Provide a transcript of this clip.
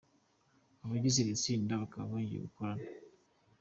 Abagize iri tsinda bakaba bongeye gukorana